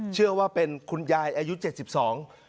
เชื่อว่าเป็นคุณยายอายุเจ็ดสิบสอง